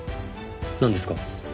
なんですか？